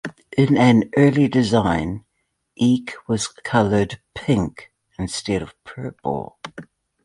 In an early design, Eek was colored pink instead of purple.